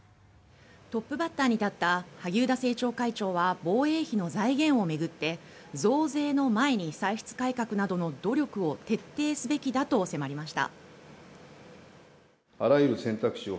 トップバッターに立った萩生田政調会長は防衛費の財源を巡って増税の前に歳出改革などの努力を徹底すべきだと迫りました。